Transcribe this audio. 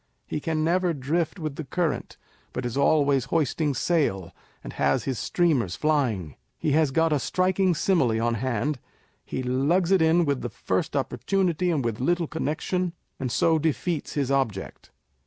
He can never drift with the current, but is always hoisting sail, and has his streamers flying. He has got a striking simile on hand ; he lugs it in with the first opportunity, and with little connexion, and so defeats his object.